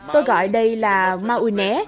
tôi gọi đây là maui né